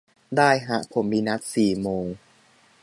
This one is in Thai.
ได้ฮะ ผมมีนัดสี่โมง